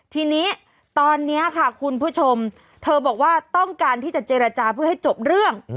ทีนี้ตอนนี้ค่ะคุณผู้ชมเธอบอกว่าต้องการที่จะเจรจาเพื่อให้จบเรื่อง